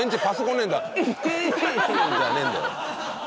「ンフッ」じゃねえんだよ。